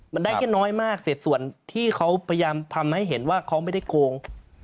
มันได้แค่น้อยมากเสร็จส่วนที่เขาพยายามทำให้เห็นว่าเขาไม่ได้โกง